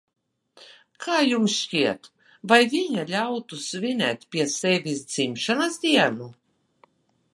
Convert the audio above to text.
Kā jums šķiet, vai viņa ļautu svinēt pie sevis dzimšanas dienu?